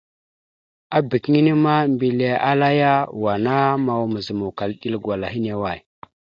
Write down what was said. Abak inne ma, mbile ala ya: "Wa ana mawa mazǝmawkala iɗel gwala hine away?".